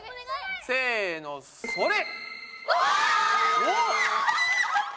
せのそれ！